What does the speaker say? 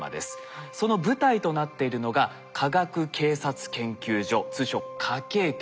その舞台となっているのが科学警察研究所通称科警研。